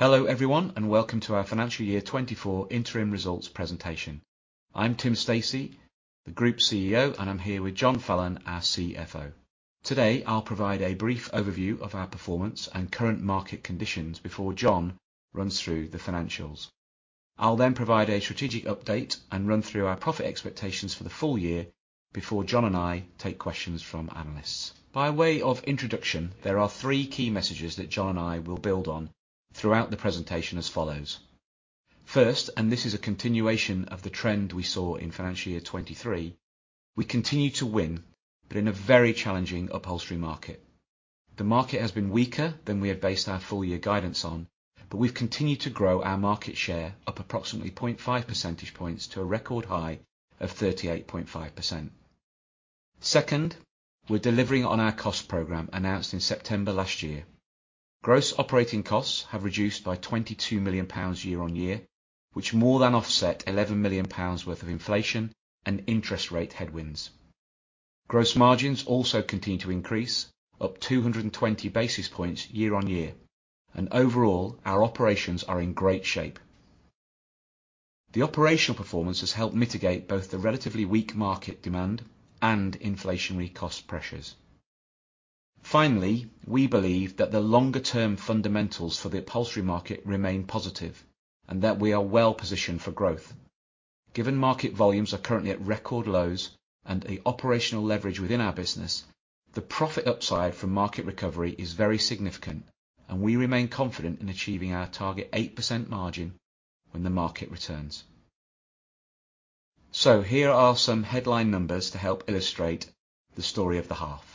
Hello everyone and welcome to our financial year 2024 interim results presentation. I'm Tim Stacey, the Group CEO, and I'm here with John Fallon as CFO. Today I'll provide a brief overview of our performance and current market conditions before John runs through the financials. I'll then provide a strategic update and run through our profit expectations for the full year before John and I take questions from analysts. By way of introduction, there are three key messages that John and I will build on throughout the presentation as follows. First, and this is a continuation of the trend we saw in financial year 2023, we continue to win but in a very challenging upholstery market. The market has been weaker than we have based our full year guidance on, but we've continued to grow our market share up approximately 0.5 percentage points to a record high of 38.5%. Second, we're delivering on our cost program announced in September last year. Gross operating costs have reduced by 22 million pounds year-over-year, which more than offset 11 million pounds worth of inflation and interest rate headwinds. Gross margins also continue to increase up 220 basis points year-over-year, and overall our operations are in great shape. The operational performance has helped mitigate both the relatively weak market demand and inflationary cost pressures. Finally, we believe that the longer-term fundamentals for the upholstery market remain positive and that we are well positioned for growth. Given market volumes are currently at record lows and the operational leverage within our business, the profit upside from market recovery is very significant, and we remain confident in achieving our target 8% margin when the market returns. So here are some headline numbers to help illustrate the story of the half.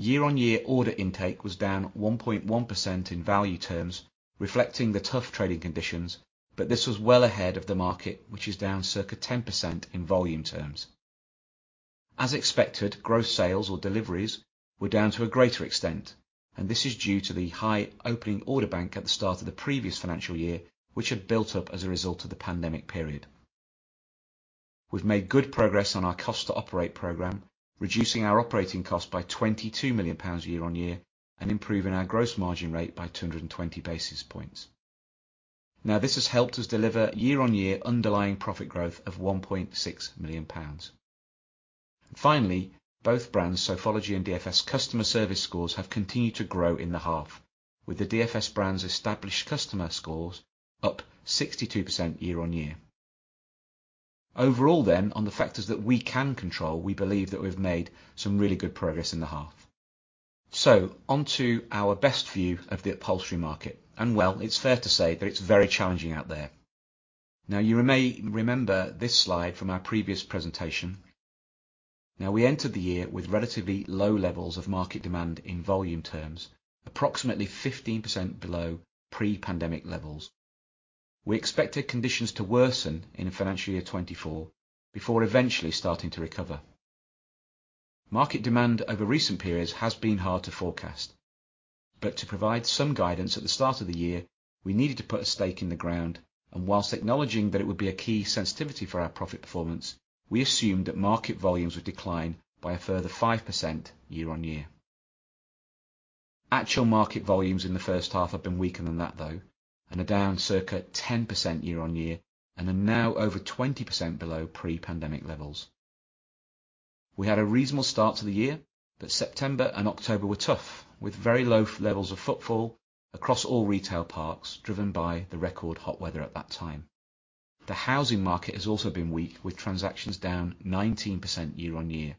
Year-on-year order intake was down 1.1% in value terms, reflecting the tough trading conditions, but this was well ahead of the market, which is down circa 10% in volume terms. As expected, gross sales or deliveries were down to a greater extent, and this is due to the high opening order bank at the start of the previous financial year, which had built up as a result of the pandemic period. We've made good progress on our cost to operate program, reducing our operating cost by 22 million pounds year-on-year and improving our gross margin rate by 220 basis points. Now, this has helped us deliver year-on-year underlying profit growth of 1.6 million pounds. Finally, both brands Sofology and DFS customer service scores have continued to grow in the half, with the DFS brand's established customer scores up 62% year-on-year. Overall then, on the factors that we can control, we believe that we've made some really good progress in the half. So onto our best view of the upholstery market, and well, it's fair to say that it's very challenging out there. Now, you may remember this slide from our previous presentation. Now, we entered the year with relatively low levels of market demand in volume terms, approximately 15% below pre-pandemic levels. We expected conditions to worsen in financial year 2024 before eventually starting to recover. Market demand over recent periods has been hard to forecast, but to provide some guidance at the start of the year, we needed to put a stake in the ground, and whilst acknowledging that it would be a key sensitivity for our profit performance, we assumed that market volumes would decline by a further 5% year-on-year. Actual market volumes in the first half have been weaker than that, though, and are down circa 10% year-on-year and are now over 20% below pre-pandemic levels. We had a reasonable start to the year, but September and October were tough, with very low levels of footfall across all retail parks driven by the record hot weather at that time. The housing market has also been weak, with transactions down 19% year-on-year,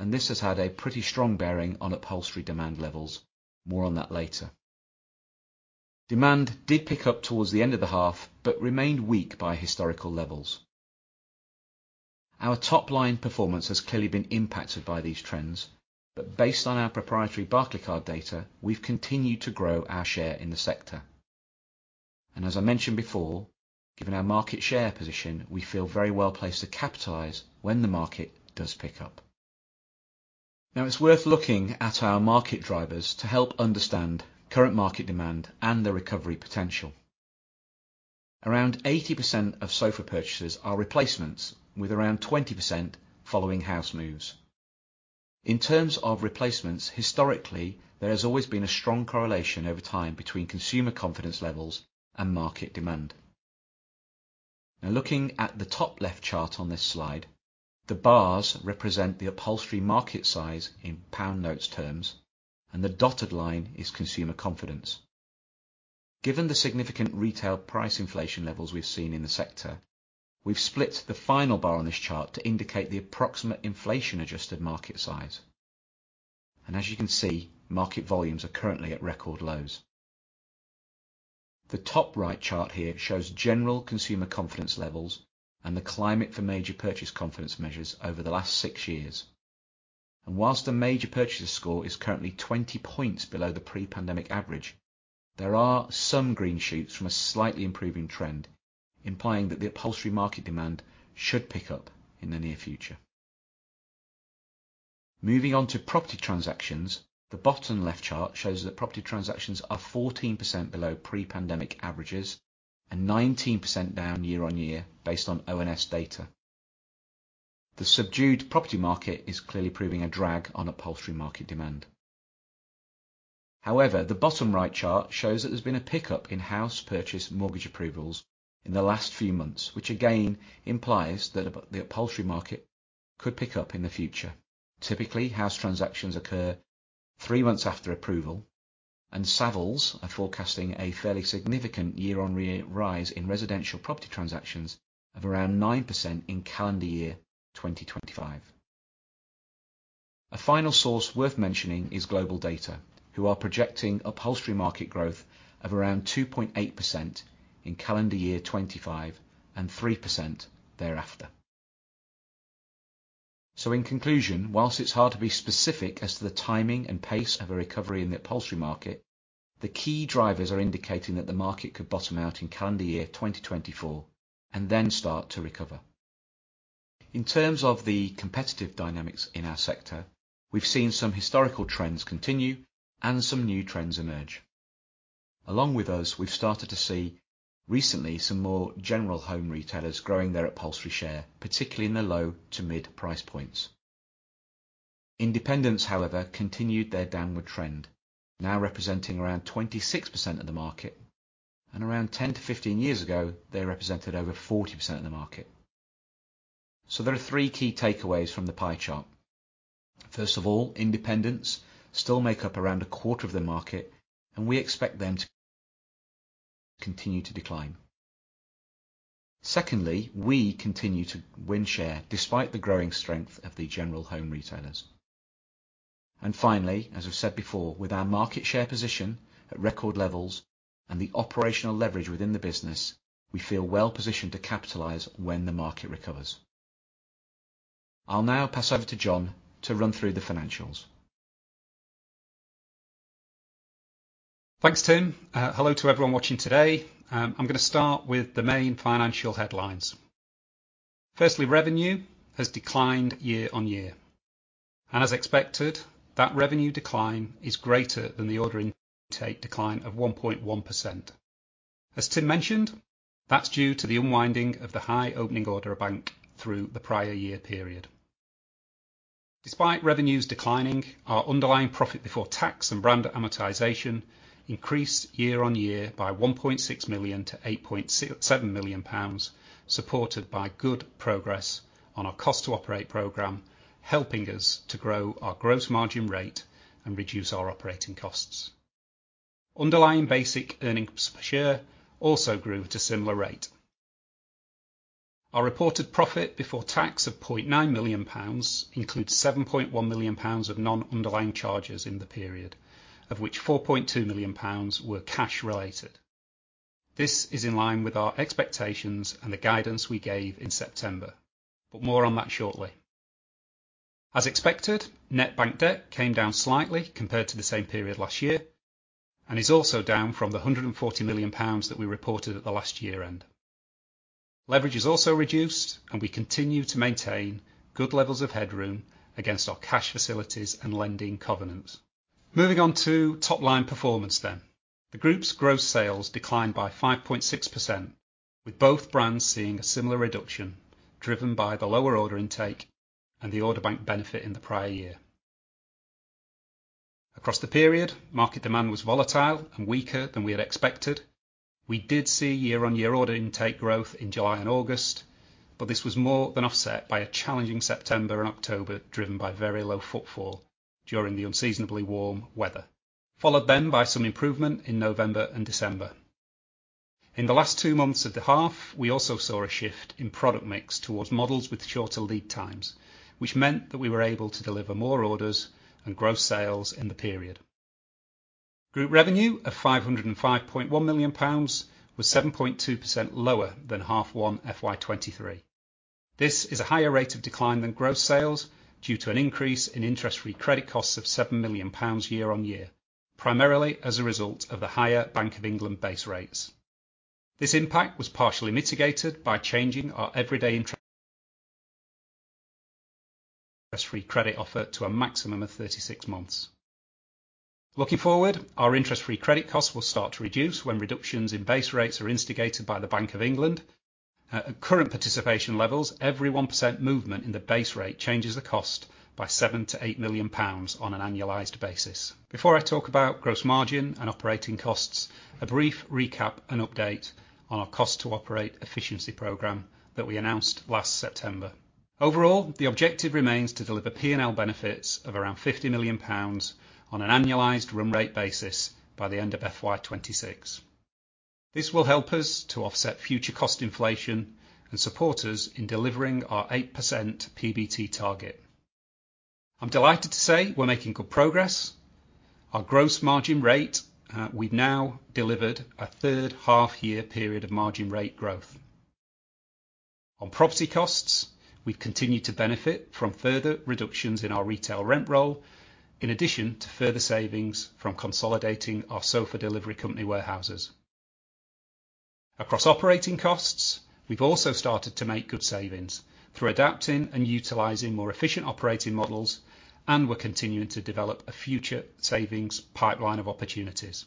and this has had a pretty strong bearing on upholstery demand levels. More on that later. Demand did pick up towards the end of the half but remained weak by historical levels. Our top-line performance has clearly been impacted by these trends, but based on our proprietary Barclaycard data, we've continued to grow our share in the sector. As I mentioned before, given our market share position, we feel very well placed to capitalize when the market does pick up. Now, it's worth looking at our market drivers to help understand current market demand and the recovery potential. Around 80% of sofa purchases are replacements, with around 20% following house moves. In terms of replacements, historically, there has always been a strong correlation over time between consumer confidence levels and market demand. Now, looking at the top left chart on this slide, the bars represent the upholstery market size in pounds terms, and the dotted line is consumer confidence. Given the significant retail price inflation levels we've seen in the sector, we've split the final bar on this chart to indicate the approximate inflation-adjusted market size. As you can see, market volumes are currently at record lows. The top right chart here shows general consumer confidence levels and the climate for major purchase confidence measures over the last 6 years. While the major purchaser score is currently 20 points below the pre-pandemic average, there are some green shoots from a slightly improving trend, implying that the upholstery market demand should pick up in the near future. Moving on to property transactions, the bottom left chart shows that property transactions are 14% below pre-pandemic averages and 19% down year-over-year based on ONS data. The subdued property market is clearly proving a drag on upholstery market demand. However, the bottom right chart shows that there's been a pickup in house purchase mortgage approvals in the last few months, which again implies that the upholstery market could pick up in the future. Typically, house transactions occur three months after approval, and Savills are forecasting a fairly significant year-on-year rise in residential property transactions of around 9% in calendar year 2025. A final source worth mentioning is GlobalData, who are projecting upholstery market growth of around 2.8% in calendar year 2025 and 3% thereafter. So in conclusion, whilst it's hard to be specific as to the timing and pace of a recovery in the upholstery market, the key drivers are indicating that the market could bottom out in calendar year 2024 and then start to recover. In terms of the competitive dynamics in our sector, we've seen some historical trends continue and some new trends emerge. Along with those, we've started to see recently some more general home retailers growing their upholstery share, particularly in the low to mid price points. Independents, however, continued their downward trend, now representing around 26% of the market, and around 10 years-15 years ago, they represented over 40% of the market. So there are three key takeaways from the pie chart. First of all, independents still make up around a quarter of the market, and we expect them to continue to decline. Secondly, we continue to win share despite the growing strength of the general home retailers. And finally, as I've said before, with our market share position at record levels and the operational leverage within the business, we feel well positioned to capitalize when the market recovers. I'll now pass over to John to run through the financials. Thanks, Tim. Hello to everyone watching today. I'm going to start with the main financial headlines. Firstly, revenue has declined year-on-year. As expected, that revenue decline is greater than the ordering take decline of 1.1%. As Tim mentioned, that's due to the unwinding of the high opening order bank through the prior year period. Despite revenues declining, our underlying profit before tax and brand amortization increased year-on-year by 1.6 million to 8.7 million pounds, supported by good progress on our cost to operate program, helping us to grow our gross margin rate and reduce our operating costs. Underlying basic earnings per share also grew at a similar rate. Our reported profit before tax of 0.9 million pounds includes 7.1 million pounds of non-underlying charges in the period, of which 4.2 million pounds were cash-related. This is in line with our expectations and the guidance we gave in September, but more on that shortly. As expected, net bank debt came down slightly compared to the same period last year and is also down from the 140 million pounds that we reported at the last year-end. Leverage has also reduced, and we continue to maintain good levels of headroom against our cash facilities and lending covenants. Moving on to top-line performance then. The group's gross sales declined by 5.6%, with both brands seeing a similar reduction driven by the lower order intake and the order bank benefit in the prior year. Across the period, market demand was volatile and weaker than we had expected. We did see year-on-year order intake growth in July and August, but this was more than offset by a challenging September and October driven by very low footfall during the unseasonably warm weather, followed then by some improvement in November and December. In the last two months of the half, we also saw a shift in product mix towards models with shorter lead times, which meant that we were able to deliver more orders and gross sales in the period. Group revenue of 505.1 million pounds was 7.2% lower than half one FY23. This is a higher rate of decline than gross sales due to an increase in interest-free credit costs of 7 million pounds year-on-year, primarily as a result of the higher Bank of England base rates. This impact was partially mitigated by changing our everyday interest-free credit offer to a maximum of 36 months. Looking forward, our interest-free credit costs will start to reduce when reductions in base rates are instigated by the Bank of England. At current participation levels, every 1% movement in the base rate changes the cost by 7-8 million pounds on an annualized basis. Before I talk about gross margin and operating costs, a brief recap and update on our cost to operate efficiency program that we announced last September. Overall, the objective remains to deliver P&L benefits of around 50 million pounds on an annualized run rate basis by the end of FY26. This will help us to offset future cost inflation and support us in delivering our 8% PBT target. I'm delighted to say we're making good progress. Our gross margin rate, we've now delivered a third half-year period of margin rate growth. On property costs, we've continued to benefit from further reductions in our retail rent roll, in addition to further savings from consolidating our Sofa Delivery Company warehouses. Across operating costs, we've also started to make good savings through adapting and utilizing more efficient operating models, and we're continuing to develop a future savings pipeline of opportunities.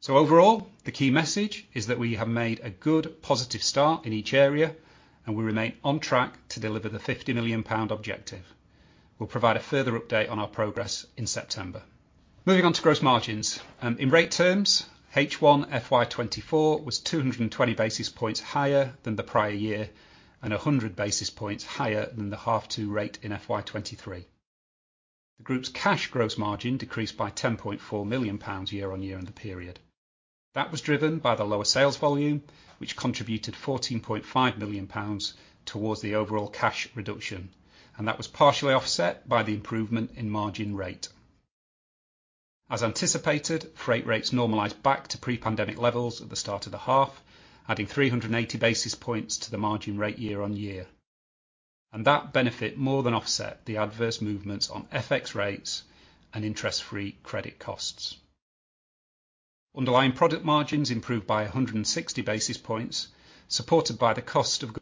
So overall, the key message is that we have made a good, positive start in each area, and we remain on track to deliver the 50 million pound objective. We'll provide a further update on our progress in September. Moving on to gross margins. In rate terms, H1 FY 2024 was 220 basis points higher than the prior year and 100 basis points higher than the H2 rate in FY 2023. The group's cash gross margin decreased by 10.4 million pounds year-over-year in the period. That was driven by the lower sales volume, which contributed 14.5 million pounds towards the overall cash reduction, and that was partially offset by the improvement in margin rate. As anticipated, freight rates normalized back to pre-pandemic levels at the start of the half, adding 380 basis points to the margin rate year on year. And that benefit more than offset the adverse movements on FX rates and interest-free credit costs. Underlying product margins improved by 160 basis points, supported by the cost of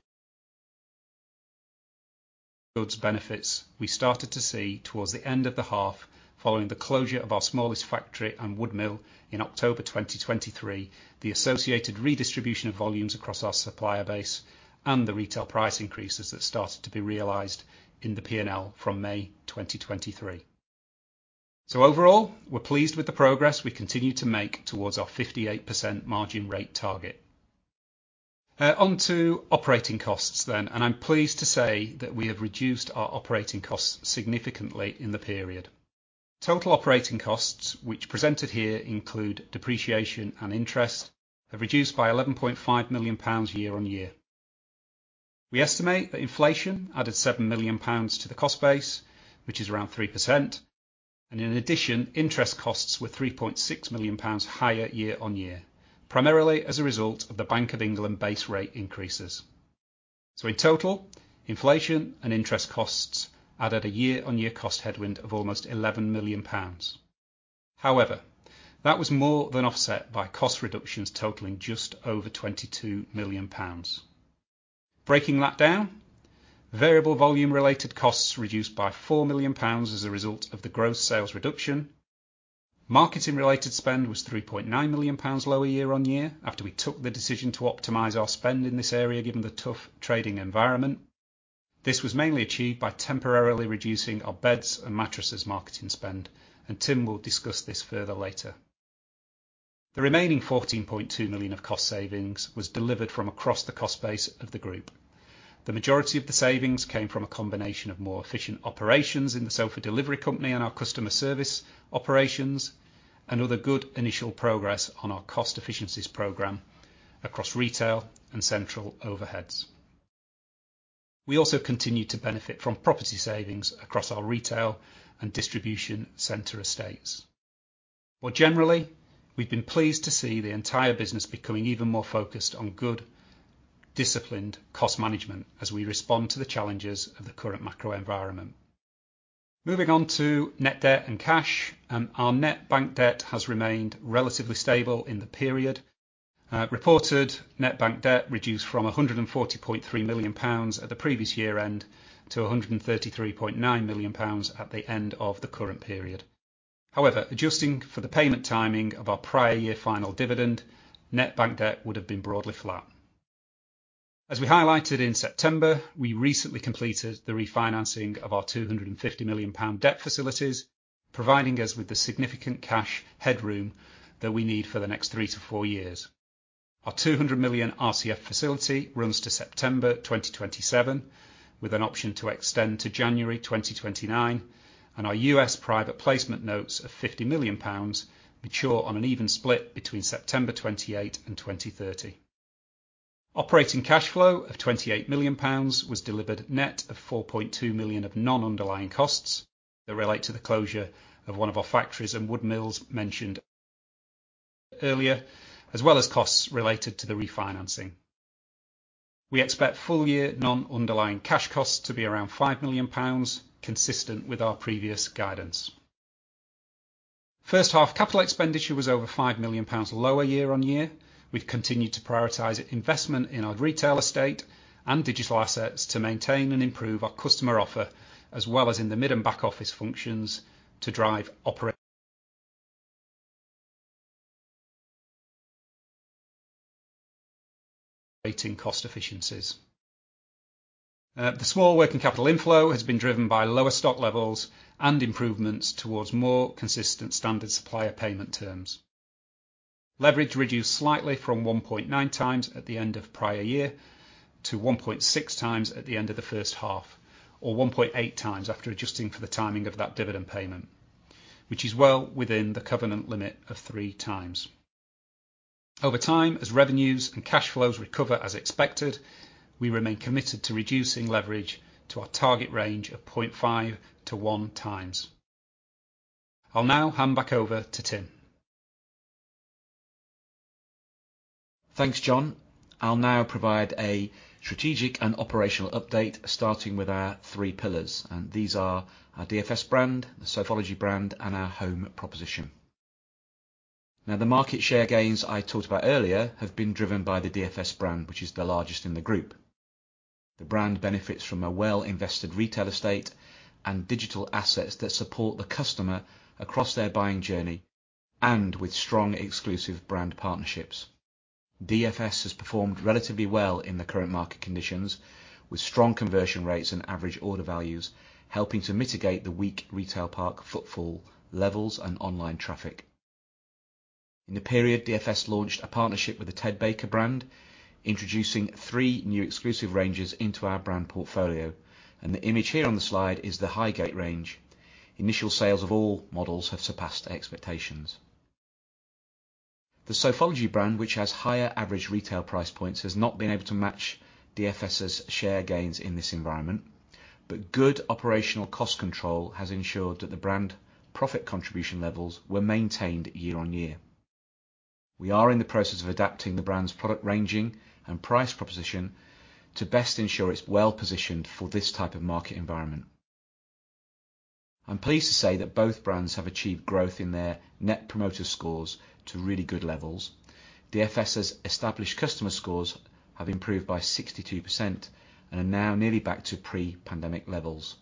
goods benefits we started to see towards the end of the half following the closure of our smallest factory and wood mill in October 2023, the associated redistribution of volumes across our supplier base, and the retail price increases that started to be realized in the P&L from May 2023. So overall, we're pleased with the progress we continue to make towards our 58% margin rate target. Onto operating costs then, and I'm pleased to say that we have reduced our operating costs significantly in the period. Total operating costs, which presented here include depreciation and interest, have reduced by 11.5 million pounds year-over-year. We estimate that inflation added 7 million pounds to the cost base, which is around 3%, and in addition, interest costs were 3.6 million pounds higher year-over-year, primarily as a result of The Bank of England base rate increases. So in total, inflation and interest costs added a year-over-year cost headwind of almost 11 million pounds. However, that was more than offset by cost reductions totaling just over 22 million pounds. Breaking that down, variable volume-related costs reduced by 4 million pounds as a result of the gross sales reduction. Marketing-related spend was 3.9 million pounds lower year-on-year after we took the decision to optimize our spend in this area given the tough trading environment. This was mainly achieved by temporarily reducing our beds and mattresses marketing spend, and Tim will discuss this further later. The remaining 14.2 million of cost savings was delivered from across the cost base of the group. The majority of the savings came from a combination of more efficient operations in the Sofa Delivery Company and our customer service operations, and other good initial progress on our cost efficiencies program across retail and central overheads. We also continue to benefit from property savings across our retail and distribution center estates. More generally, we've been pleased to see the entire business becoming even more focused on good, disciplined cost management as we respond to the challenges of the current macro environment. Moving on to net debt and cash, our net bank debt has remained relatively stable in the period. Reported net bank debt reduced from 140.3 million pounds at the previous year-end to 133.9 million pounds at the end of the current period. However, adjusting for the payment timing of our prior year final dividend, net bank debt would have been broadly flat. As we highlighted in September, we recently completed the refinancing of our 250 million pound debt facilities, providing us with the significant cash headroom that we need for the next three to four years. Our 200 million RCF facility runs to September 2027 with an option to extend to January 2029, and our US Private Placement notes of 50 million pounds mature on an even split between September 28 and 2030. Operating cash flow of 28 million pounds was delivered net of 4.2 million of non-underlying costs that relate to the closure of one of our factories and wood mills mentioned earlier, as well as costs related to the refinancing. We expect full-year non-underlying cash costs to be around 5 million pounds, consistent with our previous guidance. First half capital expenditure was over 5 million pounds lower year-on-year. We've continued to prioritize investment in our retail estate and digital assets to maintain and improve our customer offer, as well as in the mid and back office functions to drive operating cost efficiencies. The small working capital inflow has been driven by lower stock levels and improvements towards more consistent standard supplier payment terms. Leverage reduced slightly from 1.9 times at the end of prior year to 1.6 times at the end of the first half, or 1.8 times after adjusting for the timing of that dividend payment, which is well within the covenant limit of 3 times. Over time, as revenues and cash flows recover as expected, we remain committed to reducing leverage to our target range of 0.5-1 times. I'll now hand back over to Tim. Thanks, John. I'll now provide a strategic and operational update starting with our 3 pillars. These are our DFS brand, the Sofology brand, and our home proposition. Now, the market share gains I talked about earlier have been driven by the DFS brand, which is the largest in the group. The brand benefits from a well-invested retail estate and digital assets that support the customer across their buying journey and with strong exclusive brand partnerships. DFS has performed relatively well in the current market conditions, with strong conversion rates and average order values helping to mitigate the weak retail park footfall levels and online traffic. In the period, DFS launched a partnership with the Ted Baker brand, introducing three new exclusive ranges into our brand portfolio. The image here on the slide is the Highgate range. Initial sales of all models have surpassed expectations. The Sofology brand, which has higher average retail price points, has not been able to match DFS's share gains in this environment, but good operational cost control has ensured that the brand profit contribution levels were maintained year on year. We are in the process of adapting the brand's product ranging and price proposition to best ensure it's well positioned for this type of market environment. I'm pleased to say that both brands have achieved growth in their net promoter scores to really good levels. DFS's established customer scores have improved by 62% and are now nearly back to pre-pandemic levels.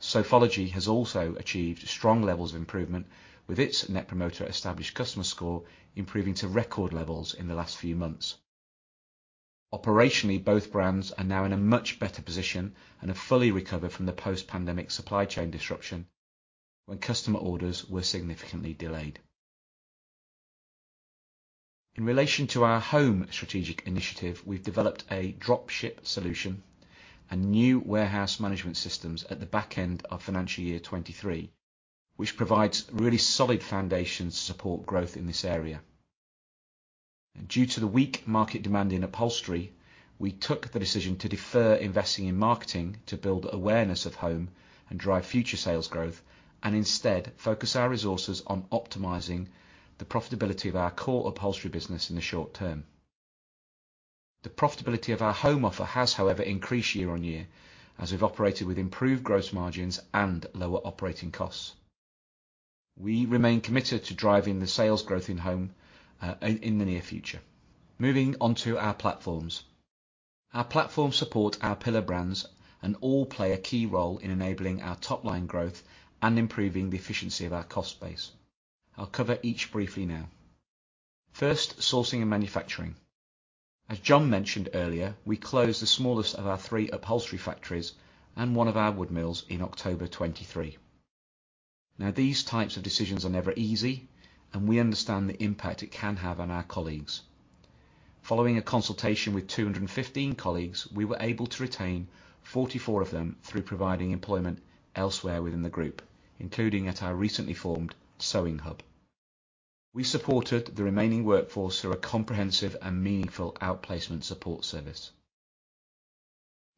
Sofology has also achieved strong levels of improvement with its net promoter established customer score improving to record levels in the last few months. Operationally, both brands are now in a much better position and have fully recovered from the post-pandemic supply chain disruption when customer orders were significantly delayed. In relation to our home strategic initiative, we've developed a dropship solution and new warehouse management systems at the back end of financial year 2023, which provides really solid foundations to support growth in this area. Due to the weak market demand in upholstery, we took the decision to defer investing in marketing to build awareness of home and drive future sales growth, and instead focus our resources on optimizing the profitability of our core upholstery business in the short term. The profitability of our home offer has, however, increased year-over-year as we've operated with improved gross margins and lower operating costs. We remain committed to driving the sales growth in home in the near future. Moving onto our platforms. Our platforms support our pillar brands and all play a key role in enabling our top-line growth and improving the efficiency of our cost base. I'll cover each briefly now. First, sourcing and manufacturing. As John mentioned earlier, we closed the smallest of our three upholstery factories and one of our wood mills in October 2023. Now, these types of decisions are never easy, and we understand the impact it can have on our colleagues. Following a consultation with 215 colleagues, we were able to retain 44 of them through providing employment elsewhere within the group, including at our recently formed sewing hub. We supported the remaining workforce through a comprehensive and meaningful outplacement support service.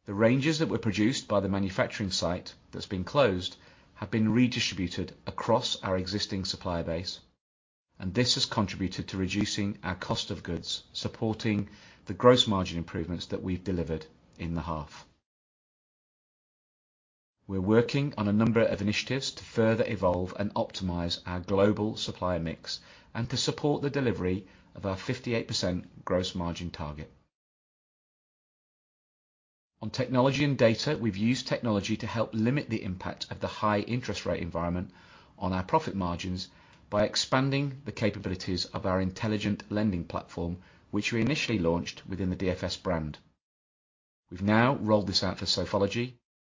The ranges that were produced by the manufacturing site that's been closed have been redistributed across our existing supplier base, and this has contributed to reducing our cost of goods, supporting the gross margin improvements that we've delivered in the half. We're working on a number of initiatives to further evolve and optimize our global supplier mix and to support the delivery of our 58% gross margin target. On technology and data, we've used technology to help limit the impact of the high interest rate environment on our profit margins by expanding the capabilities of our intelligent lending platform, which we initially launched within the DFS brand. We've now rolled this out for Sofology,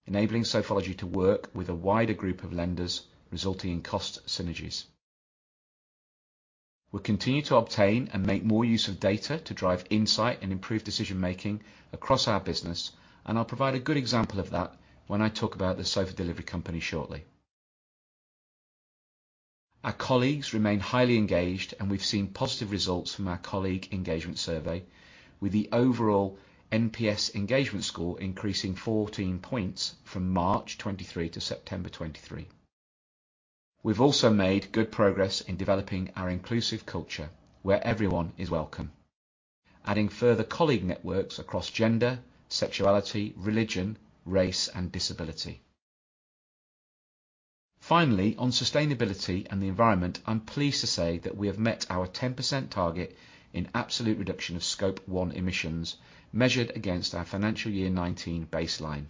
enabling Sofology to work with a wider group of lenders, resulting in cost synergies. We'll continue to obtain and make more use of data to drive insight and improve decision-making across our business, and I'll provide a good example of that when I talk about the Sofa Delivery Company shortly. Our colleagues remain highly engaged, and we've seen positive results from our colleague engagement survey, with the overall NPS engagement score increasing 14 points from March 2023 to September 2023. We've also made good progress in developing our inclusive culture where everyone is welcome, adding further colleague networks across gender, sexuality, religion, race, and disability. Finally, on sustainability and the environment, I'm pleased to say that we have met our 10% target in absolute reduction of Scope 1 emissions measured against our financial year 2019 baseline.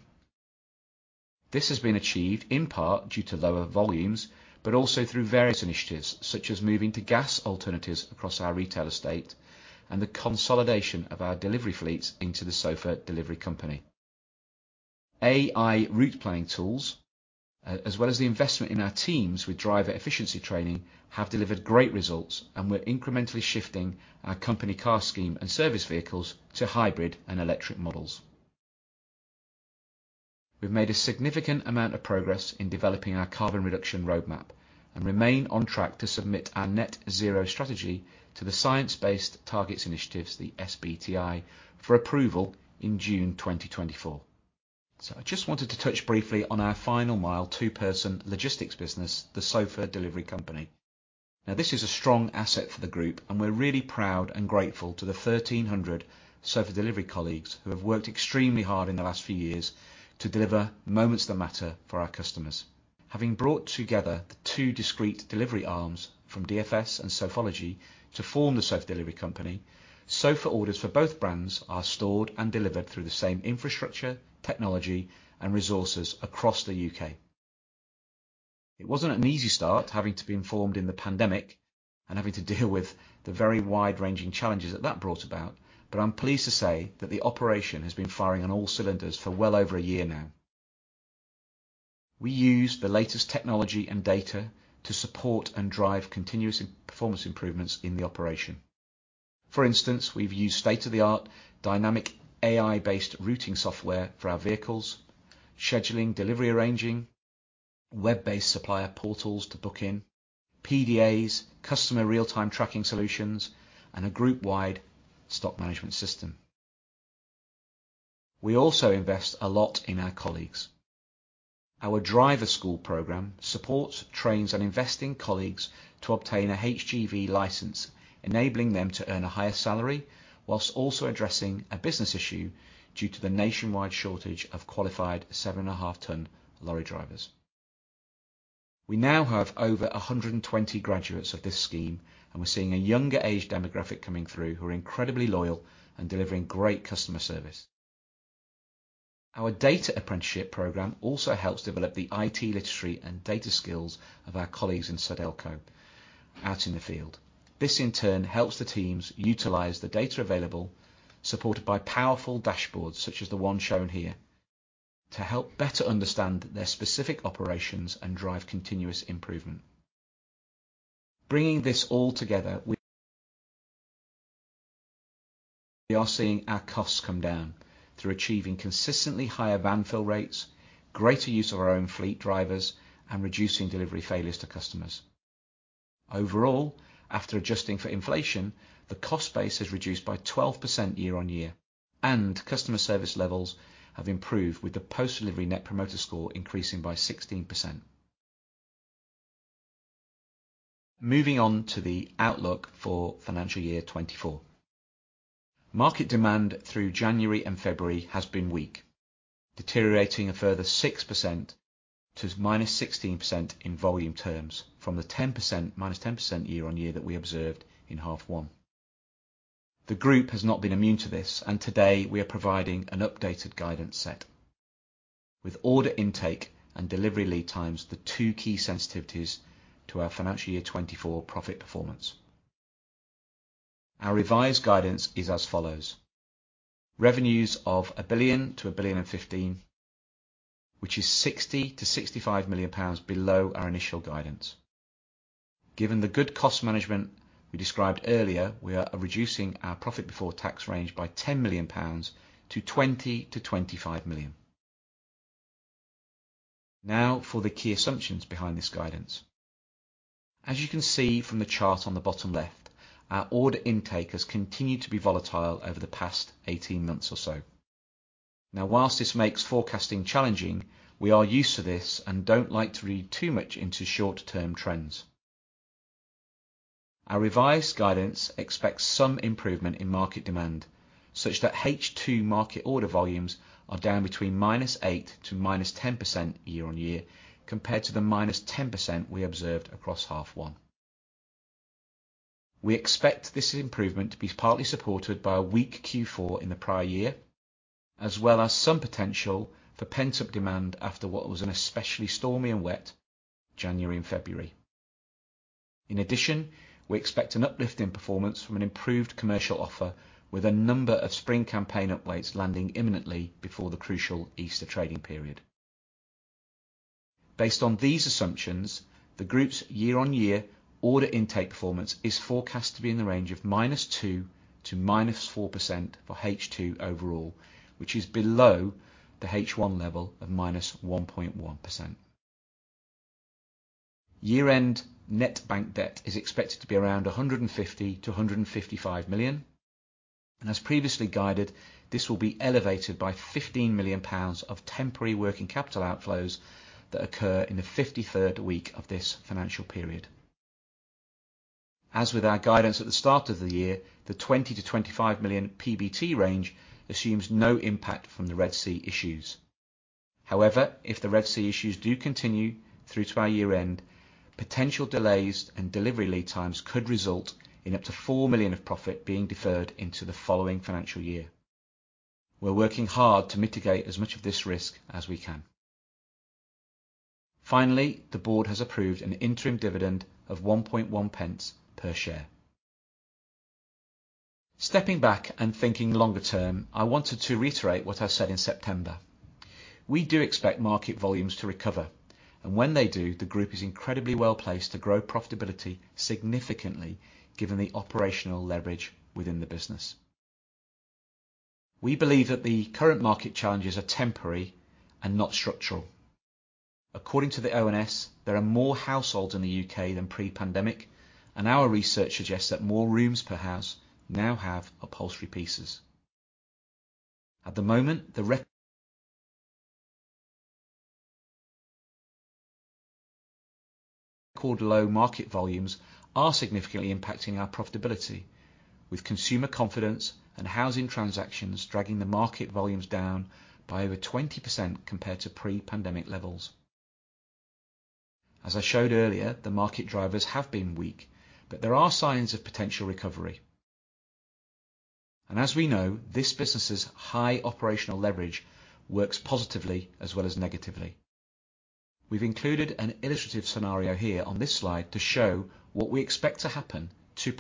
This has been achieved in part due to lower volumes, but also through various initiatives such as moving to gas alternatives across our retail estate and the consolidation of our delivery fleets into the Sofa Delivery Company. AI route planning tools, as well as the investment in our teams with driver efficiency training, have delivered great results, and we're incrementally shifting our company car scheme and service vehicles to hybrid and electric models. We've made a significant amount of progress in developing our carbon reduction roadmap and remain on track to submit our net zero strategy to the Science Based Targets initiative, the SBTi, for approval in June 2024. So I just wanted to touch briefly on our final-mile two-person logistics business, the Sofa Delivery Company. Now, this is a strong asset for the group, and we're really proud and grateful to the 1,300 sofa delivery colleagues who have worked extremely hard in the last few years to deliver moments that matter for our customers. Having brought together the two discrete delivery arms from DFS and Sofology to form the Sofa Delivery Company, sofa orders for both brands are stored and delivered through the same infrastructure, technology, and resources across the UK. It wasn't an easy start having to be informed in the pandemic and having to deal with the very wide-ranging challenges that that brought about, but I'm pleased to say that the operation has been firing on all cylinders for well over a year now. We use the latest technology and data to support and drive continuous performance improvements in the operation. For instance, we've used state-of-the-art dynamic AI-based routing software for our vehicles, scheduling, delivery arranging, web-based supplier portals to book in, PDAs, customer real-time tracking solutions, and a group-wide stock management system. We also invest a lot in our colleagues. Our driver school program supports, trains, and invests in colleagues to obtain a HGV license, enabling them to earn a higher salary whilst also addressing a business issue due to the nationwide shortage of qualified 7.5-ton lorry drivers. We now have over 120 graduates of this scheme, and we're seeing a younger-aged demographic coming through who are incredibly loyal and delivering great customer service. Our data apprenticeship program also helps develop the IT literacy and data skills of our colleagues in Sudelco out in the field. This, in turn, helps the teams utilize the data available, supported by powerful dashboards such as the one shown here, to help better understand their specific operations and drive continuous improvement. Bringing this all together, we are seeing our costs come down through achieving consistently higher van fill rates, greater use of our own fleet drivers, and reducing delivery failures to customers. Overall, after adjusting for inflation, the cost base has reduced by 12% year-on-year, and customer service levels have improved with the post-delivery Net Promoter Score increasing by 16%. Moving on to the outlook for financial year 2024. Market demand through January and February has been weak, deteriorating a further 6% to -16% in volume terms from the -10% year-on-year that we observed in H1. The group has not been immune to this, and today we are providing an updated guidance set with order intake and delivery lead times, the two key sensitivities to our financial year 2024 profit performance. Our revised guidance is as follows: revenues of 1 billion to 1.015 billion, which is 60 million- 65 million pounds below our initial guidance. Given the good cost management we described earlier, we are reducing our profit before tax range by 10 million pounds to 20-25 million. Now for the key assumptions behind this guidance. As you can see from the chart on the bottom left, our order intake has continued to be volatile over the past 18 months or so. Now, while this makes forecasting challenging, we are used to this and don't like to read too much into short-term trends. Our revised guidance expects some improvement in market demand such that H2 market order volumes are down between -8% to -10% year-on-year compared to the -10% we observed across half one. We expect this improvement to be partly supported by a weak Q4 in the prior year, as well as some potential for pent-up demand after what was an especially stormy and wet January and February. In addition, we expect an uplift in performance from an improved commercial offer with a number of spring campaign updates landing imminently before the crucial Easter trading period. Based on these assumptions, the group's year-on-year order intake performance is forecast to be in the range of -2% to -4% for H2 overall, which is below the H1 level of -1.1%. Year-end net bank debt is expected to be around 150-155 million. As previously guided, this will be elevated by 15 million pounds of temporary working capital outflows that occur in the 53rd week of this financial period. As with our guidance at the start of the year, the 20-25 million PBT range assumes no impact from the Red Sea issues. However, if the Red Sea issues do continue through to our year-end, potential delays and delivery lead times could result in up to 4 million of profit being deferred into the following financial year. We're working hard to mitigate as much of this risk as we can. Finally, the board has approved an interim dividend of 0.011 per share. Stepping back and thinking longer term, I wanted to reiterate what I said in September. We do expect market volumes to recover, and when they do, the group is incredibly well placed to grow profitability significantly given the operational leverage within the business. We believe that the current market challenges are temporary and not structural. According to the ONS, there are more households in the UK than pre-pandemic, and our research suggests that more rooms per house now have upholstery pieces. At the moment, the record-low market volumes are significantly impacting our profitability, with consumer confidence and housing transactions dragging the market volumes down by over 20% compared to pre-pandemic levels. As I showed earlier, the market drivers have been weak, but there are signs of potential recovery. As we know, this business's high operational leverage works positively as well as negatively. We've included an illustrative scenario here on this slide to show what we expect to happen to the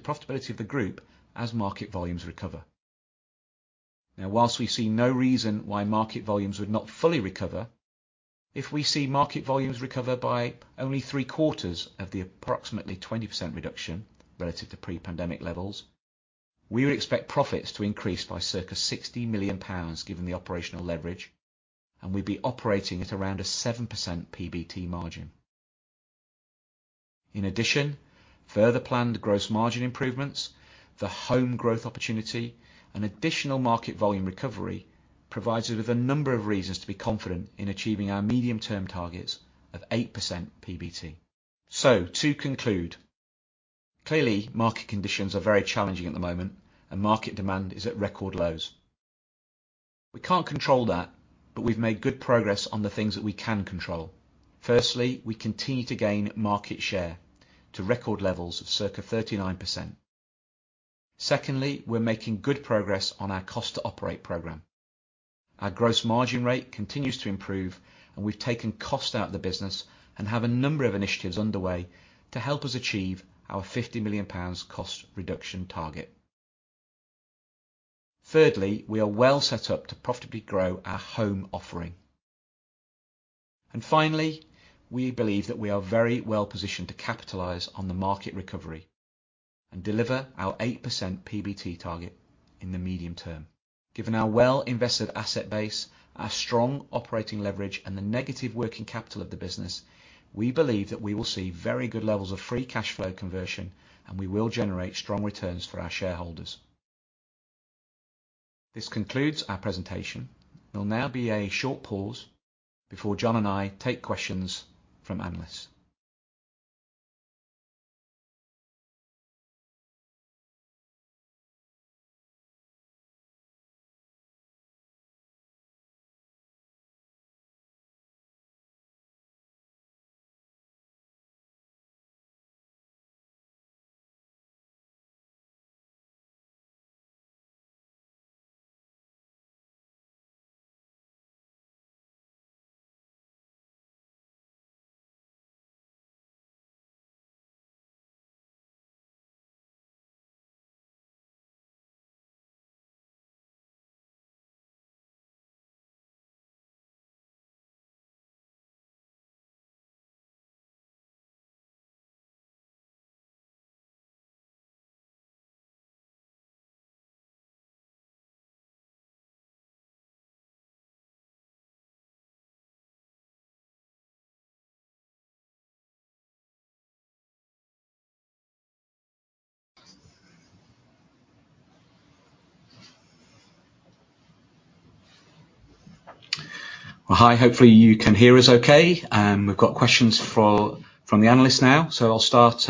profitability of the group as market volumes recover. Now, while we see no reason why market volumes would not fully recover, if we see market volumes recover by only three-quarters of the approximately 20% reduction relative to pre-pandemic levels, we would expect profits to increase by circa 60 million pounds given the operational leverage, and we'd be operating at around a 7% PBT margin. In addition, further planned gross margin improvements, the home growth opportunity, and additional market volume recovery provide us with a number of reasons to be confident in achieving our medium-term targets of 8% PBT. To conclude, clearly market conditions are very challenging at the moment, and market demand is at record lows. We can't control that, but we've made good progress on the things that we can control. Firstly, we continue to gain market share to record levels of circa 39%. Secondly, we're making good progress on our cost to operate program. Our gross margin rate continues to improve, and we've taken cost out of the business and have a number of initiatives underway to help us achieve our 50 million pounds cost reduction target. Thirdly, we are well set up to profitably grow our home offering. And finally, we believe that we are very well positioned to capitalize on the market recovery and deliver our 8% PBT target in the medium term. Given our well-invested asset base, our strong operating leverage, and the negative working capital of the business, we believe that we will see very good levels of free cash flow conversion, and we will generate strong returns for our shareholders. This concludes our presentation. There'll now be a short pause before John and I take questions from analysts. Well, hi. Hopefully you can hear us okay. We've got questions from the analysts now. So I'll start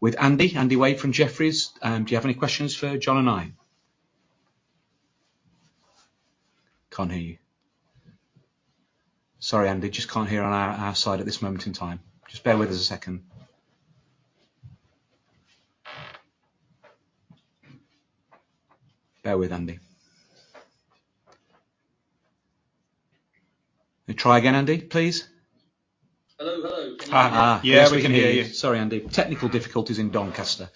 with Andy. Andy Wade from Jefferies. Do you have any questions for John and I? Can't hear you. Sorry, Andy. Just can't hear on our side at this moment in time. Just bear with us a second. Bear with, Andy. Try again, Andy, please. Hello. Hello. Can you hear me? Ha, ha. Yeah, we can hear you. Sorry, Andy. Technical difficulties in Doncaster.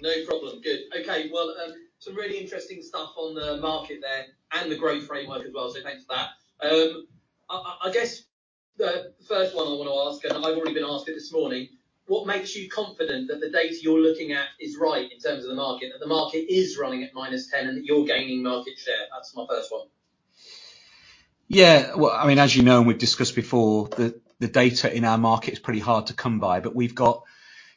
No problem. Good. Okay. Well, some really interesting stuff on the market there and the growth framework as well, so thanks for that. I guess the first one I want to ask, and I've already been asked it this morning, what makes you confident that the data you're looking at is right in terms of the market, that the market is running at -10, and that you're gaining market share? That's my first one. Yeah. Well, I mean, as you know, and we've discussed before, the data in our market is pretty hard to come by, but we've got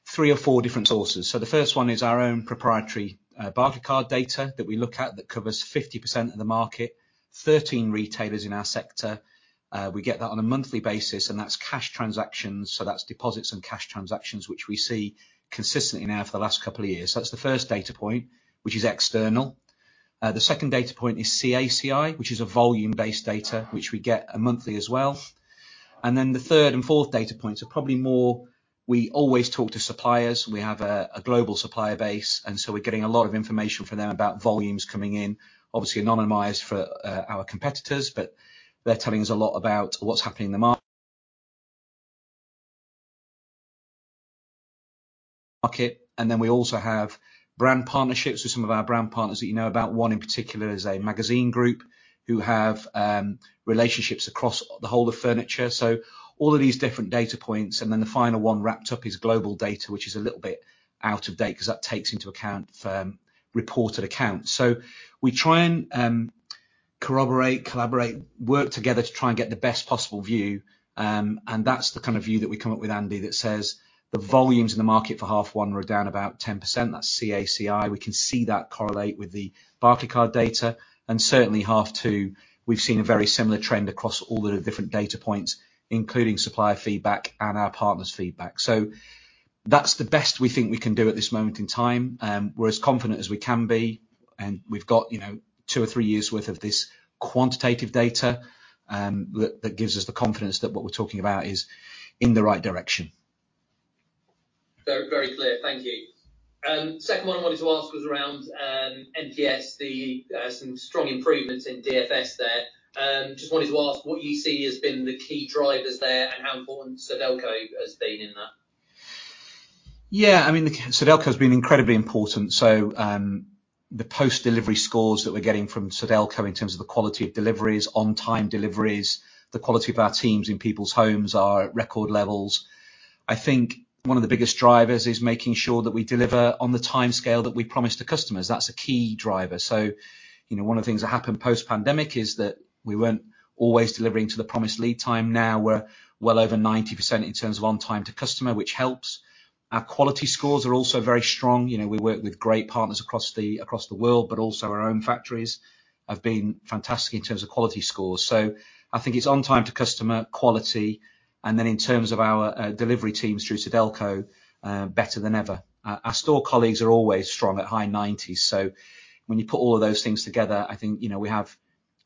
three or four different sources. So the first one is our own proprietary Barclaycard data that we look at that covers 50% of the market, 13 retailers in our sector. We get that on a monthly basis, and that's cash transactions. So that's deposits and cash transactions, which we see consistently now for the last couple of years. So that's the first data point, which is external. The second data point is CACI, which is a volume-based data, which we get monthly as well. And then the third and fourth data points are probably more we always talk to suppliers. We have a global supplier base, and so we're getting a lot of information from them about volumes coming in, obviously anonymized for our competitors, but they're telling us a lot about what's happening in the market. And then we also have brand partnerships with some of our brand partners that you know about. One in particular is a magazine group who have relationships across the whole of furniture. So all of these different data points. And then the final one wrapped up is GlobalData, which is a little bit out of date because that takes into account reported accounts. So we try and corroborate, collaborate, work together to try and get the best possible view. And that's the kind of view that we come up with, Andy, that says the volumes in the market for half one were down about 10%. That's CACI. We can see that correlate with the Barclaycard data. And certainly H2, we've seen a very similar trend across all the different data points, including supplier feedback and our partners' feedback. So that's the best we think we can do at this moment in time. We're as confident as we can be, and we've got, you know, two or three years' worth of this quantitative data, that gives us the confidence that what we're talking about is in the right direction. Very, very clear. Thank you. Second one I wanted to ask was around NPS, some strong improvements in DFS there. Just wanted to ask what you see has been the key drivers there and how important Sudelco has been in that. Yeah. I mean, the Sudelco has been incredibly important. So, the post-delivery scores that we're getting from Sudelco in terms of the quality of deliveries, on-time deliveries, the quality of our teams in people's homes are at record levels. I think one of the biggest drivers is making sure that we deliver on the timescale that we promised to customers. That's a key driver. So, you know, one of the things that happened post-pandemic is that we weren't always delivering to the promised lead time. Now we're well over 90% in terms of on-time to customer, which helps. Our quality scores are also very strong. You know, we work with great partners across the world, but also our own factories have been fantastic in terms of quality scores. So I think it's on-time to customer, quality, and then in terms of our delivery teams through Sudelco, better than ever. Our store colleagues are always strong at high 90s. So when you put all of those things together, I think, you know, we have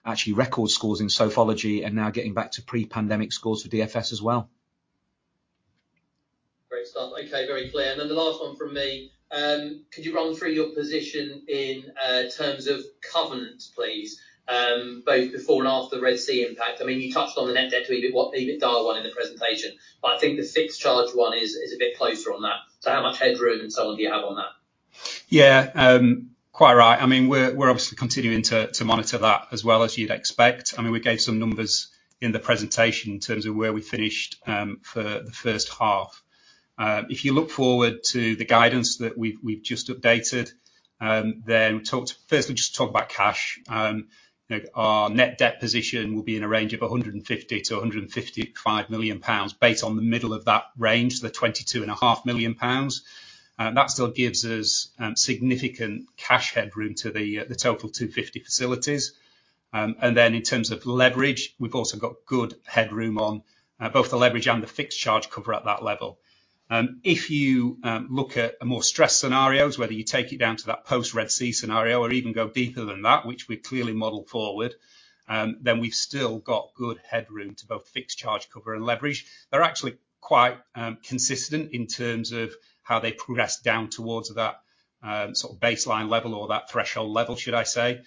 actually record scores in Sofology and now getting back to pre-pandemic scores for DFS as well. Great start. Okay. Very clear. And then the last one from me. Could you run through your position in terms of covenants, please, both before and after Red Sea impact? I mean, you touched on the net debt to EBITDA one in the presentation, but I think the fixed charge one is a bit closer on that. So how much headroom and so on do you have on that? Yeah. Quite right. I mean, we're obviously continuing to monitor that as well as you'd expect. I mean, we gave some numbers in the presentation in terms of where we finished for the first half. If you look forward to the guidance that we've just updated, then firstly, just to talk about cash, our net debt position will be in a range of 150 million-155 million pounds based on the middle of that range, the 22.5 million pounds. That still gives us significant cash headroom to the total 250 million facilities. And then in terms of leverage, we've also got good headroom on both the leverage and the fixed charge cover at that level. If you look at more stress scenarios, whether you take it down to that post-Red Sea scenario or even go deeper than that, which we clearly model forward, then we've still got good headroom to both fixed charge cover and leverage. They're actually quite consistent in terms of how they progress down towards that sort of baseline level or that threshold level, should I say.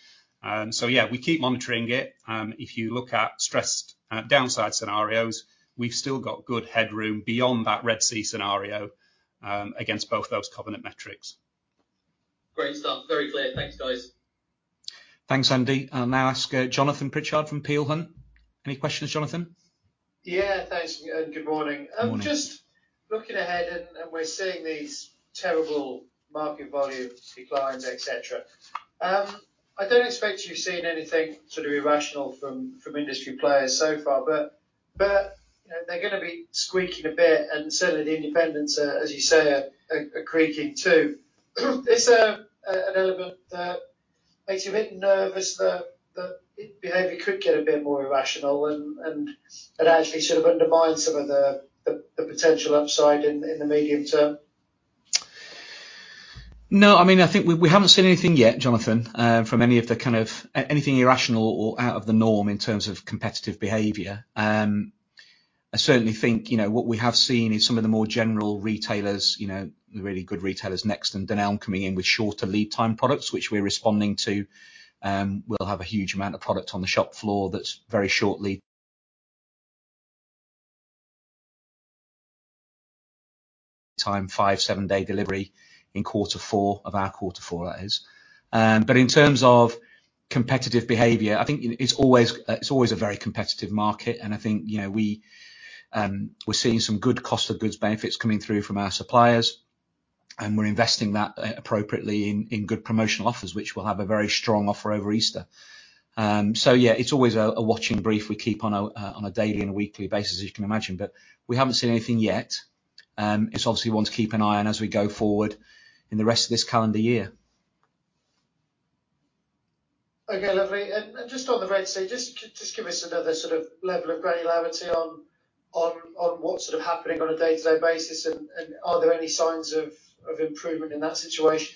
So yeah, we keep monitoring it. If you look at stressed downside scenarios, we've still got good headroom beyond that Red Sea scenario against both those covenant metrics. Great start. Very clear. Thanks, guys. Thanks, Andy. I'll now ask Jonathan Pritchard from Peel Hunt. Any questions, Jonathan? Yeah. Thanks. Good morning. Just looking ahead, and we're seeing these terrible market volume declines, etc. I don't expect you've seen anything sort of irrational from industry players so far, but they're going to be squeaking a bit, and certainly the independents, as you say, are creaking too. Is there an element that makes you a bit nervous that behavior could get a bit more irrational and actually sort of undermine some of the potential upside in the medium term? No. I mean, I think we haven't seen anything yet, Jonathan, from any of the kind of anything irrational or out of the norm in terms of competitive behavior. I certainly think what we have seen is some of the more general retailers, the really good retailers Next and Dunelm coming in with shorter lead time products, which we're responding to. We'll have a huge amount of product on the shop floor that's very short lead time, 5 day-7 day delivery in quarter four of our quarter four, that is. But in terms of competitive behavior, I think it's always a very competitive market, and I think we're seeing some good cost of goods benefits coming through from our suppliers, and we're investing that appropriately in good promotional offers, which we'll have a very strong offer over Easter. So yeah, it's always a watching brief. We keep on a daily and a weekly basis, as you can imagine, but we haven't seen anything yet. It's obviously one to keep an eye on as we go forward in the rest of this calendar year. Okay, lovely. Just on the Red Sea, just give us another sort of level of granularity on what's sort of happening on a day-to-day basis, and are there any signs of improvement in that situation?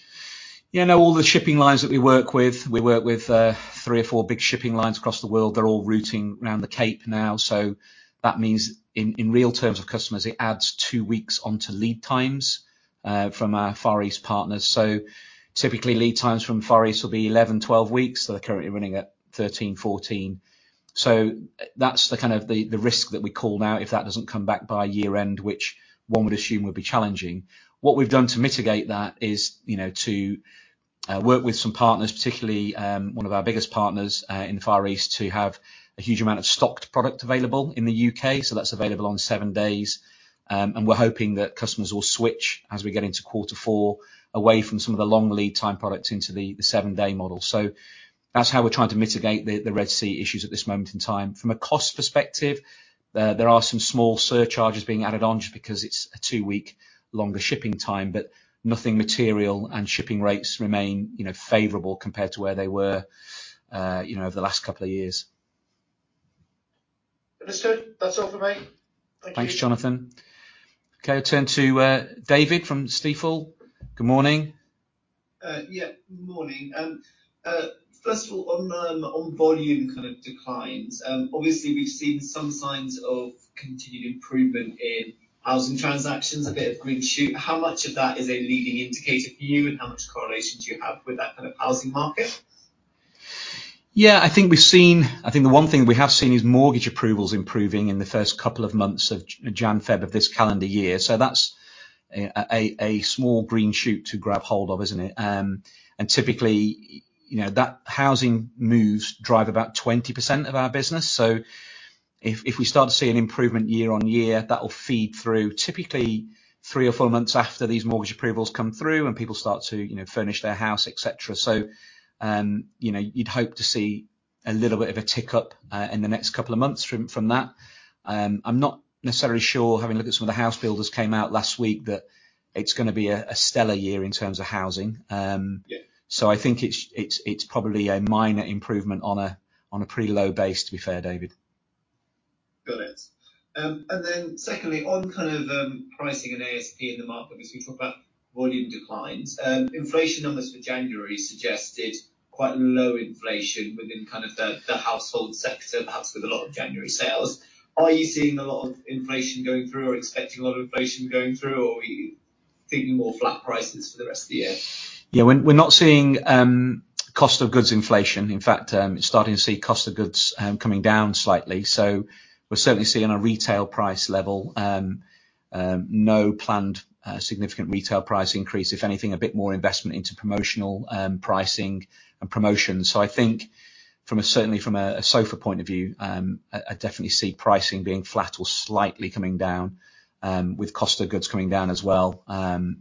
Yeah. Now, all the shipping lines that we work with, we work with 3 or 4 big shipping lines across the world. They're all routing around the Cape now. So that means in real terms of customers, it adds 2 weeks onto lead times from our Far East partners. So typically, lead times from Far East will be 11 week-12 weeks. They're currently running at 13-14. So that's the kind of risk that we call now if that doesn't come back by year-end, which one would assume would be challenging. What we've done to mitigate that is to work with some partners, particularly one of our biggest partners in the Far East, to have a huge amount of stocked product available in the U.K. So that's available on 7 days. We're hoping that customers will switch as we get into quarter four away from some of the long lead time products into the seven-day model. That's how we're trying to mitigate the Red Sea issues at this moment in time. From a cost perspective, there are some small surcharges being added on just because it's a two-week longer shipping time, but nothing material and shipping rates remain favorable compared to where they were over the last couple of years. Understood. That's all for me. Thank you. Thanks, Jonathan. Okay. I'll turn to David from Stifel. Good morning. Yeah. Good morning. First of all, on volume kind of declines, obviously, we've seen some signs of continued improvement in housing transactions, a bit of green shoot. How much of that is a leading indicator for you, and how much correlation do you have with that kind of housing market? Yeah. I think we've seen I think the one thing we have seen is mortgage approvals improving in the first couple of months of January/February of this calendar year. So that's a small green shoot to grab hold of, isn't it? And typically, that housing moves drive about 20% of our business. So if we start to see an improvement year-over-year, that will feed through typically three or four months after these mortgage approvals come through and people start to furnish their house, etc. So you'd hope to see a little bit of a tick-up in the next couple of months from that. I'm not necessarily sure, having looked at some of the house builders came out last week, that it's going to be a stellar year in terms of housing. So I think it's probably a minor improvement on a pretty low base, to be fair, David. Got it. And then secondly, on kind of pricing and ASP in the market, obviously, we talk about volume declines. Inflation numbers for January suggested quite low inflation within kind of the household sector, perhaps with a lot of January sales. Are you seeing a lot of inflation going through or expecting a lot of inflation going through, or are we thinking more flat prices for the rest of the year? Yeah. We're not seeing cost of goods inflation. In fact, we're starting to see cost of goods coming down slightly. So we're certainly seeing on a retail price level, no planned significant retail price increase. If anything, a bit more investment into promotional pricing and promotions. So I think certainly from a Sofology point of view, I definitely see pricing being flat or slightly coming down with cost of goods coming down as well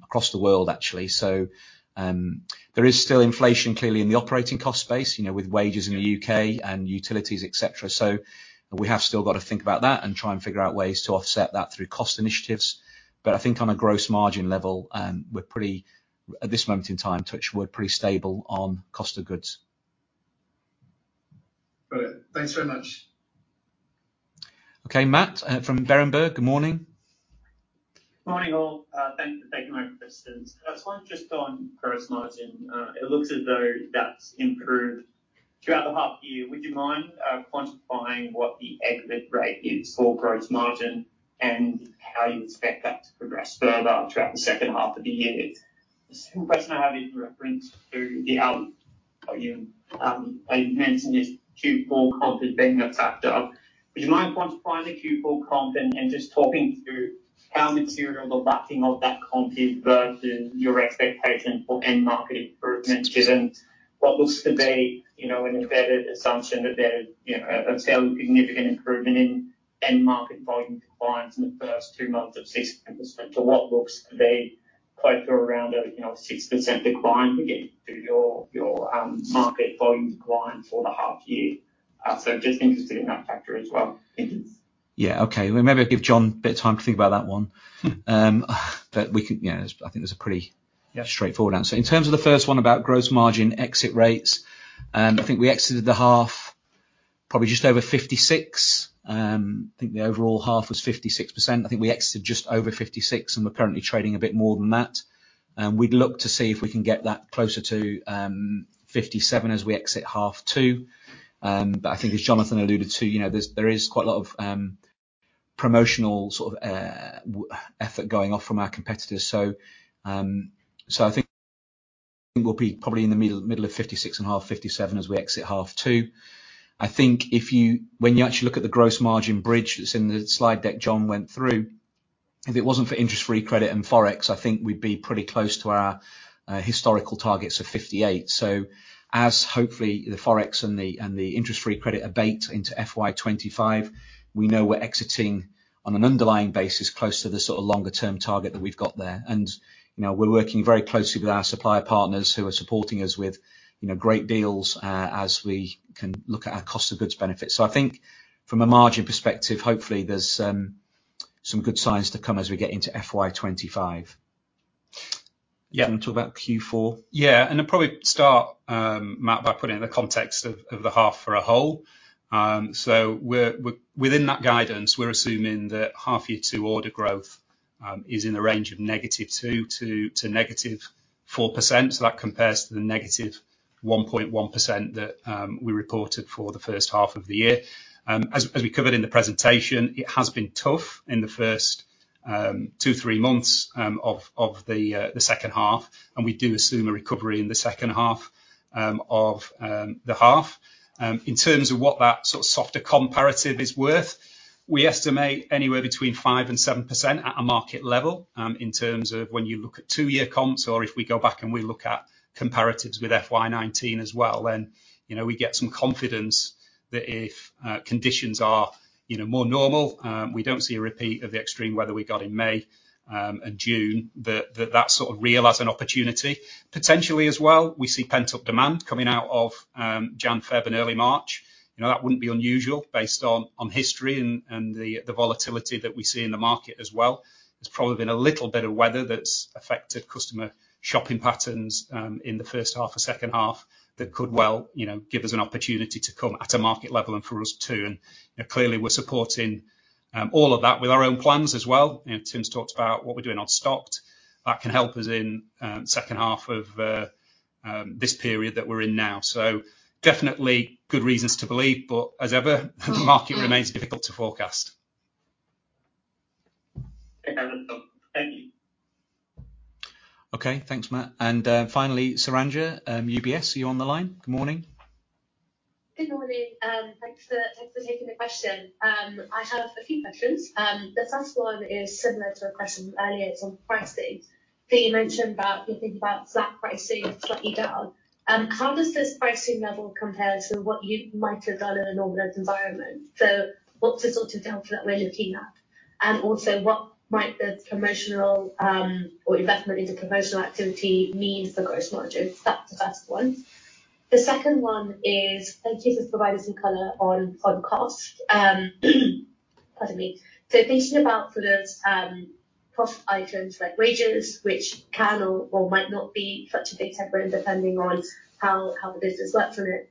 across the world, actually. So there is still inflation clearly in the operating cost space with wages in the U.K. and utilities, etc. So we have still got to think about that and try and figure out ways to offset that through cost initiatives. But I think on a gross margin level, we're pretty at this moment in time, touch wood, pretty stable on cost of goods. Got it. Thanks very much. Okay. Matt from Berenberg, good morning. Good morning, all. Thanks for taking my participation. I just want to touch on gross margin. It looks as though that's improved throughout the half year. Would you mind quantifying what the exit rate is for gross margin and how you expect that to progress further throughout the second half of the year? The second question I have is in reference to the output volume. You mentioned this Q4 comp is being a factor. Would you mind quantifying the Q4 comp and just talking through how material the lack of that comp is versus your expectation for end market improvement given what looks to be an embedded assumption that there's a fairly significant improvement in end market, volume declines in the first two months of 6%? Or what looks to be back to around a 6% decline again through your market volume decline for the half year? Just interested in that factor as well. Yeah. Okay. Remember, give John a bit of time to think about that one. But I think there's a pretty straightforward answer. In terms of the first one about gross margin exit rates, I think we exited the half probably just over 56. I think the overall half was 56%. I think we exited just over 56, and we're currently trading a bit more than that. We'd look to see if we can get that closer to 57 as we exit half two. But I think, as Jonathan alluded to, there is quite a lot of promotional sort of effort going off from our competitors. So I think we'll be probably in the middle of 56.5, 57 as we exit half two. I think when you actually look at the gross margin bridge that's in the slide deck John went through, if it wasn't for interest-free credit and Forex, I think we'd be pretty close to our historical targets of 58%. So as hopefully the Forex and the interest-free credit abate into FY 2025, we know we're exiting on an underlying basis close to the sort of longer-term target that we've got there. And we're working very closely with our supplier partners who are supporting us with great deals as we can look at our cost of goods benefits. So I think from a margin perspective, hopefully, there's some good signs to come as we get into FY 2025. Do you want to talk about Q4? Yeah. And I'll probably start, Matt, by putting it in the context of the half for a whole. So within that guidance, we're assuming that half year two order growth is in the range of -2% to -4%. So that compares to the -1.1% that we reported for the first half of the year. As we covered in the presentation, it has been tough in the first 2, 3 months of the second half, and we do assume a recovery in the second half of the half. In terms of what that sort of softer comparative is worth, we estimate anywhere between 5% and 7% at a market level in terms of when you look at 2-year comps. Or if we go back and we look at comparatives with FY 2019 as well, then we get some confidence that if conditions are more normal, we don't see a repeat of the extreme weather we got in May and June, that that sort of realize an opportunity. Potentially as well, we see pent-up demand coming out of Jan/Feb and early March. That wouldn't be unusual based on history and the volatility that we see in the market as well. There's probably been a little bit of weather that's affected customer shopping patterns in the first half or second half that could well give us an opportunity to come at a market level and for us too. And clearly, we're supporting all of that with our own plans as well. Tim's talked about what we're doing on stocked. That can help us in second half of this period that we're in now. So definitely good reasons to believe, but as ever, the market remains difficult to forecast. Okay. Thank you. Okay. Thanks, Matt. And finally, Saranja, UBS, are you on the line? Good morning. Good morning. Thanks for taking the question. I have a few questions. The first one is similar to a question earlier. It's on pricing. You mentioned about you're thinking about flat pricing, slightly down. How does this pricing level compare to what you might have done in a normalized environment? So what's the sort of delta that we're looking at? And also, what might the promotional or investment into promotional activity mean for gross margin? That's the first one. The second one is thank you for providing some color on cost. Pardon me. So thinking about sort of cost items like wages, which can or might not be such a big segment depending on how the business works on it,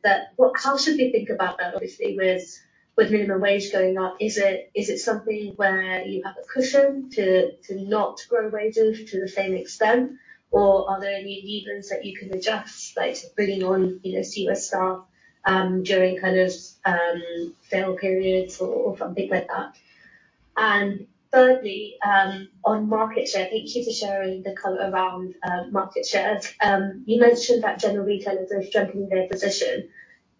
how should we think about that? Obviously, with minimum wage going up, is it something where you have a cushion to not grow wages to the same extent? Or are there any levers that you can adjust, like bringing on CUS staff during kind of sale periods or something like that? And thirdly, on market share, thank you for sharing the color around market shares. You mentioned that general retailers are strengthening their position.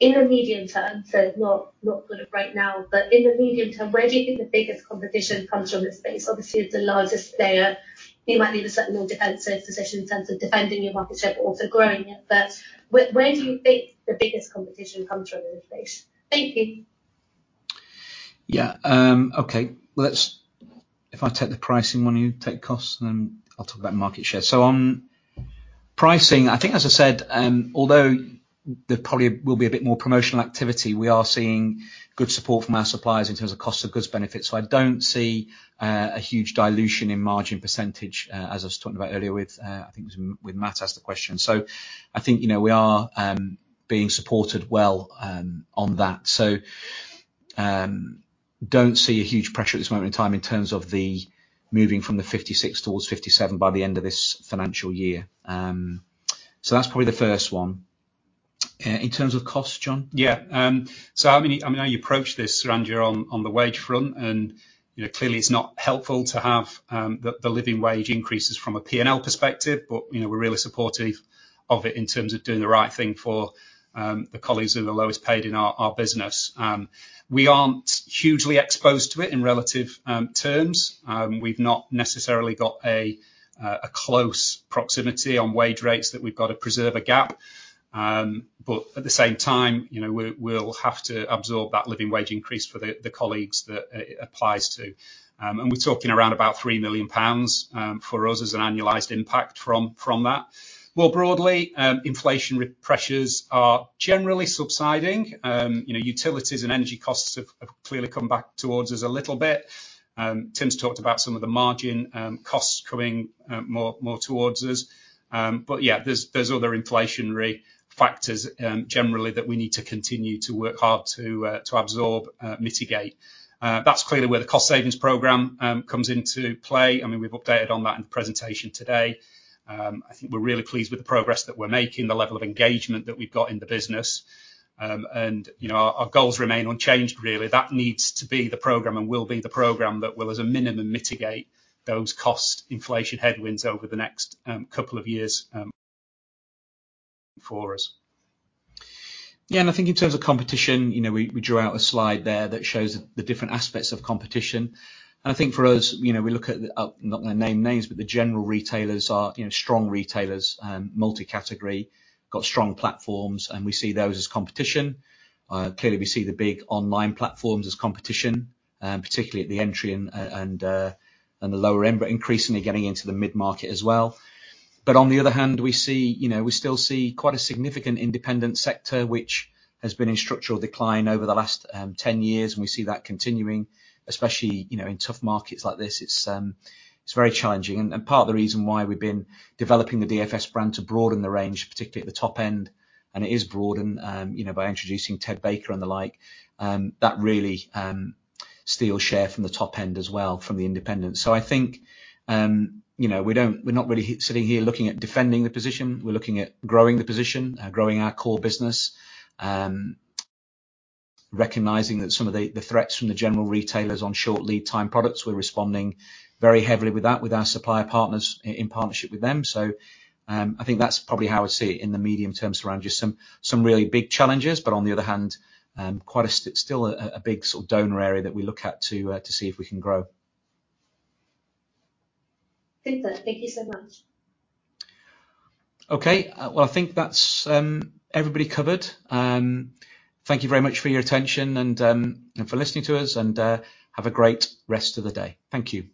In the medium term, so not sort of right now, but in the medium term, where do you think the biggest competition comes from this space? Obviously, it's the largest player. You might leave a slightly more defensive position in terms of defending your market share but also growing it. But where do you think the biggest competition comes from in this space? Thank you. Yeah. Okay. Well, if I take the pricing one, you take costs, and then I'll talk about market share. So on pricing, I think, as I said, although there probably will be a bit more promotional activity, we are seeing good support from our suppliers in terms of cost of goods benefits. So I don't see a huge dilution in margin percentage as I was talking about earlier with I think it was Matt asked the question. So I think we are being supported well on that. So don't see a huge pressure at this moment in time in terms of moving from the 56% towards 57% by the end of this financial year. So that's probably the first one. In terms of costs, John? Yeah. So I mean, I mean, how you approach this, Saranja, on the wage front. And clearly, it's not helpful to have the living wage increases from a P&L perspective, but we're really supportive of it in terms of doing the right thing for the colleagues who are the lowest paid in our business. We aren't hugely exposed to it in relative terms. We've not necessarily got a close proximity on wage rates that we've got to preserve a gap. But at the same time, we'll have to absorb that living wage increase for the colleagues that it applies to. And we're talking around about 3 million pounds for us as an annualized impact from that. More broadly, inflation pressures are generally subsiding. Utilities and energy costs have clearly come back towards us a little bit. Tim's talked about some of the margin costs coming more towards us. But yeah, there's other inflationary factors generally that we need to continue to work hard to absorb, mitigate. That's clearly where the cost savings program comes into play. I mean, we've updated on that in the presentation today. I think we're really pleased with the progress that we're making, the level of engagement that we've got in the business. And our goals remain unchanged, really. That needs to be the program and will be the program that will, as a minimum, mitigate those cost inflation headwinds over the next couple of years for us. Yeah. And I think in terms of competition, we drew out a slide there that shows the different aspects of competition. And I think for us, we look at, I'm not going to name names, but the general retailers are strong retailers, multi-category, got strong platforms, and we see those as competition. Clearly, we see the big online platforms as competition, particularly at the entry and the lower end, but increasingly getting into the mid-market as well. But on the other hand, we still see quite a significant independent sector, which has been in structural decline over the last 10 years. And we see that continuing, especially in tough markets like this. It's very challenging. Part of the reason why we've been developing the DFS brand to broaden the range, particularly at the top end, and it is broadened by introducing Ted Baker and the like, that really steals share from the top end as well, from the independents. So I think we're not really sitting here looking at defending the position. We're looking at growing the position, growing our core business, recognizing that some of the threats from the general retailers on short lead-time products. We're responding very heavily with that with our supplier partners in partnership with them. So I think that's probably how I see it in the medium term surrounding just some really big challenges. But on the other hand, quite still a big sort of donor area that we look at to see if we can grow. Thank you so much. Okay. Well, I think that's everybody covered. Thank you very much for your attention and for listening to us. Have a great rest of the day. Thank you.